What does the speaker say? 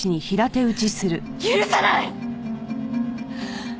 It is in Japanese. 許さない！